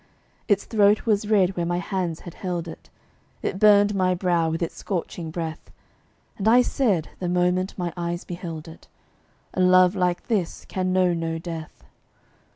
Its throat was red where my hands had held it; It burned my brow with its scorching breath; And I said, the moment my eyes beheld it, "A love like this can know no death."